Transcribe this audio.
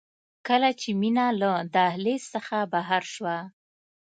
کله چې مينه له دهلېز څخه بهر شوه.